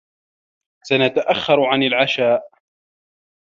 سنتأخر عن العشاء.